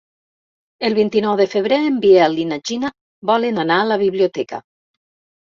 El vint-i-nou de febrer en Biel i na Gina volen anar a la biblioteca.